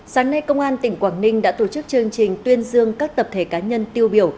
sáng nay công an tỉnh quảng ninh đã tổ chức chương trình tuyên dương các tập thể cá nhân tiêu biểu